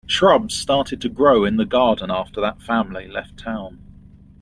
Shrubs started to grow in the garden after that family left town.